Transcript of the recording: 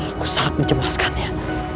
aku sangat menjelaskannya